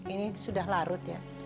ini sudah larut ya